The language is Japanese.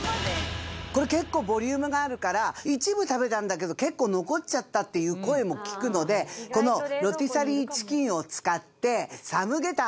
これ結構ボリュームがあるから一部食べたんだけど結構残っちゃったっていう声も聞くのでこのロティサリーチキンを使って参鶏湯。